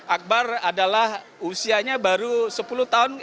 akbar adalah usianya baru sepuluh tahun